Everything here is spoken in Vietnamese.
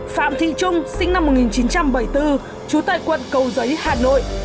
phạm thị trung sinh năm một nghìn chín trăm bảy mươi bốn trú tại quận cầu giấy hà nội